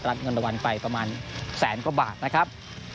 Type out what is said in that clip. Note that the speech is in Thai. เงินรางวัลไปประมาณแสนกว่าบาทนะครับ